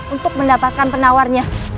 untuk mendapatkan penawarnya